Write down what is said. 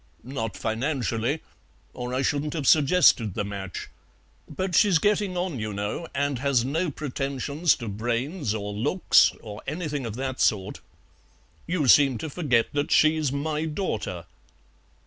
"Not financially, or I shouldn't have suggested the match. But she's getting on, you know, and has no pretensions to brains or looks or anything of that sort." "You seem to forget that she's my daughter."